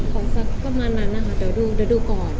สักประมาณนั้นนะคะเดี๋ยวดูก่อน